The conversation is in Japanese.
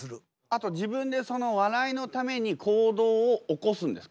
あと自分でその笑いのために行動を起こすんですか？